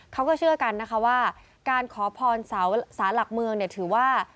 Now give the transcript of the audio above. เขาก็เชื่อกันนะคะว่าการขอพรสารหลักเมืองเนี่ยถือว่า